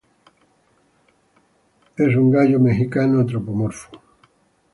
Es un bravo gallo mexicano, antropomorfo.